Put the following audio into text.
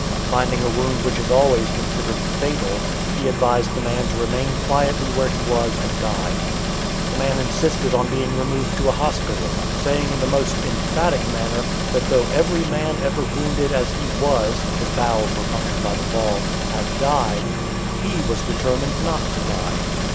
Finding a wound which is always considered fatal, he advised the man to remain quietly where he was and die. The man insisted on being removed to a hospital, saying in the most emphatic manner, that though every man ever wounded as he was (his bowels were punctured by the ball) had died, he was determined not to die.